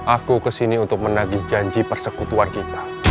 aku kesini untuk menagih janji persekutuan kita